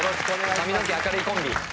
髪の毛明るいコンビ。